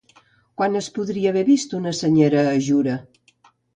Quan es podria haver vist una senyera a Jura?